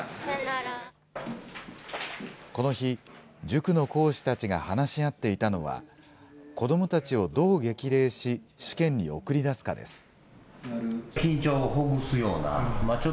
この日、塾の講師たちが話し合っていたのは、子どもたちをどう激励し、試験に送り出すかです。